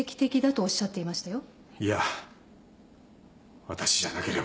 いや私じゃなければ。